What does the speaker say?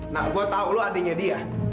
nah gua tau lu adenya dia